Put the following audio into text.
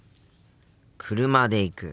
車で行く。